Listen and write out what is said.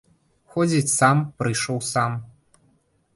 Ходзіць сам, прыйшоў сам.